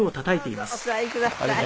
どうぞお座りください。